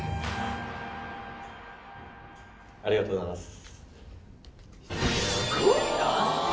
ありがとうございます。